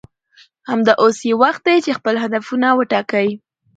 همدا اوس یې وخت دی چې خپل هدفونه وټاکئ